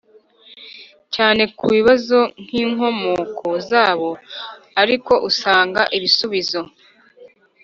Cyane ku kibazo k inkomoko zabo ariko usanga ibisubizo